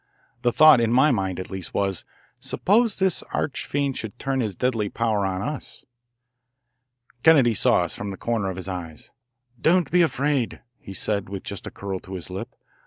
The thought, in my mind at least, was: Suppose this arch fiend should turn his deadly power on us? Kennedy saw us from the corner of his eye. "Don't be afraid," he said with just a curl to his lip.